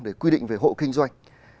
để quy định về hộ kinh doanh